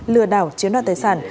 lừa đảo chiếm đoạt tài sản